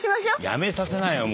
やめさせなよ